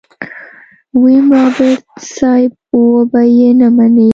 ويم رابرټ صيب وبه يې نه منې.